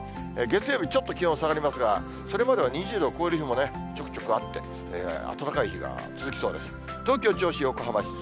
月曜日、ちょっと気温下がりますが、それまでは２０度を超える日もちょくちょくあって、暖かい日が続きそうです。